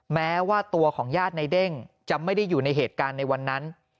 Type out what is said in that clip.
แม้ว่าตัวของญาติในเด้งจะไม่ได้อยู่ในเหตุการณ์ในวันนั้น